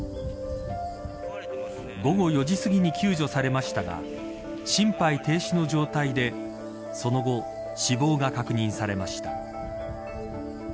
午後４時すぎに救助されましたが心肺停止の状態でその後、死亡が確認されました。